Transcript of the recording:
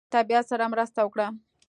طبیعت سره مرسته وکړه.